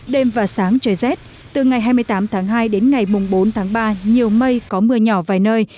đêm và sáng trời rét từ ngày hai mươi tám tháng hai đến ngày mùng bốn tháng ba nhiều mây có mưa nhỏ vài nơi